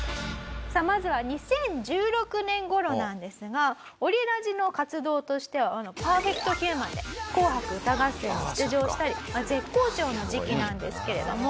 まずは２０１６年頃なんですがオリラジの活動としては『ＰＥＲＦＥＣＴＨＵＭＡＮ』で『紅白歌合戦』に出場したり絶好調の時期なんですけれども。